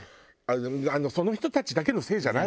その人たちだけのせいじゃないわよ。